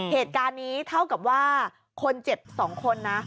เหตุการณ์นี้เท่ากับว่าคนเจ็บ๒คนนะ